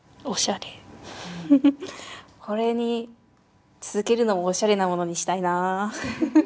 これに続けるのもおしゃれなものにしたいな。